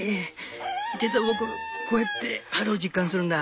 実は僕こうやって春を実感するんだ。